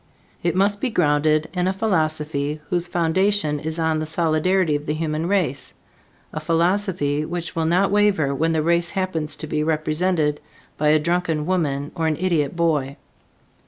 It must be grounded in a philosophy whose foundation is on the solidarity of the human race, a philosophy which will not waver when the race happens to be represented by a drunken woman or an idiot boy.